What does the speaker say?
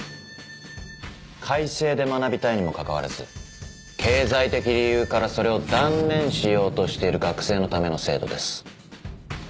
開成で学びたいにもかかわらず経済的理由からそれを断念しようとしている学生のための制度です。